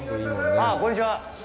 あっ、こんにちは。